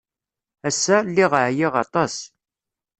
Ass-a, lliɣ ɛyiɣ aṭas.